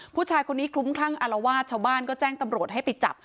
ผู้ชายคนนี้คลุ้มคลั่งอารวาสชาวบ้านก็แจ้งตำรวจให้ไปจับ